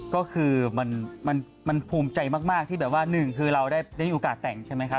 ก็คือมันภูมิใจมากที่แบบว่า๑เราได้มีโอกาสแต่งใช่ไหมค่ะ